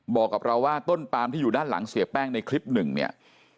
บอกกับเราว่าต้นปามที่อยู่ด้านหลังเสียแป้งในคลิปหนึ่งเนี่ย